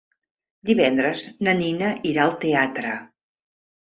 Divendres na Nina irà al teatre.